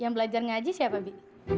yang belajar ngaji siapa bi